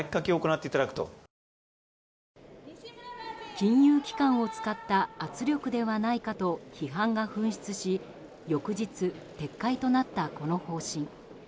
金融機関を使った圧力ではないかと批判が噴出し翌日撤回となったこの方針。